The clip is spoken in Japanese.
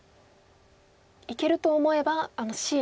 いけると思えばあのＣの。